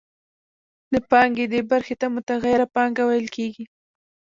د پانګې دې برخې ته متغیره پانګه ویل کېږي